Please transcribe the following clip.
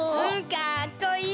かっこいい！